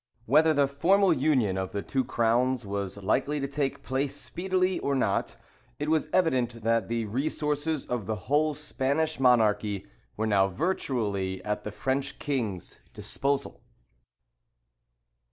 Whether the formal union of the two crowns was likely to take place speedily or not, it was evident that the resources of the whole Spanish monarchy were now virtually at the French king's disposal.